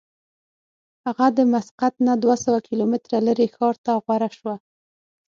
هغه د مسقط نه دوه سوه کیلومتره لرې ښار ته غوره شوه.